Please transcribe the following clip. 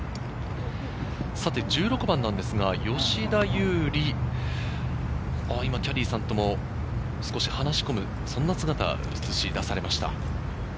１６番なんですが、吉田優利、今、キャディーさんとも少し話し込む、そんな姿も映し出されました。